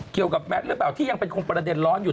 เกี่ยวกับแมทร์หรือเปล่าที่ยังเป็นคงประเด็นร้อนอยู่